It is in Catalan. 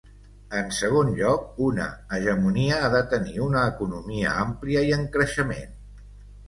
En segon lloc, una hegemonia ha de tenir una economia àmplia i en creixement.